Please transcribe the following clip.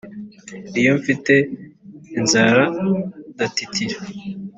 Iyo mfite inzara ndatitira